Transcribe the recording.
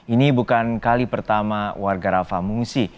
ini bukan kali pertama warga rafa mengungsi